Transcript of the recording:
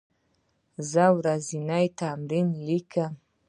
زه ورځنی تمرین لیکم.